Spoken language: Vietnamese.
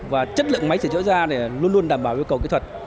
và chất lượng máy sẽ trở ra để luôn luôn đảm bảo yêu cầu kỹ thuật